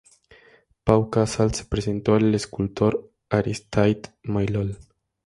Pau Casals le presentó al escultor Aristide Maillol.